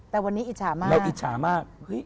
แต่วันนี้อิจฉามากเราอิจฉามาก